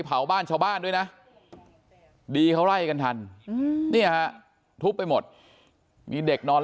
เผาบ้านชาวบ้านด้วยนะดีเขาไล่กันทันเนี่ยฮะทุบไปหมดมีเด็กนอน